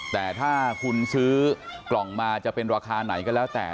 แต่ถ้าคุณซื้อกล่องมาจะเป็นราคาไหนก็แล้วแต่